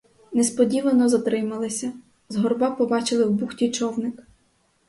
Несподівано затрималися: з горба побачили в бухті човник.